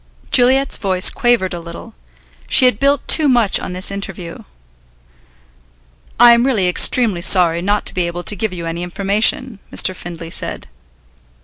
Juliet's voice quavered a little. She had built too much on this interview. "I am really extremely sorry not to be able to give you any information," Mr. Findlay said.